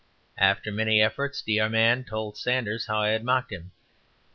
After many efforts De Armand told Sanders how I had mocked him.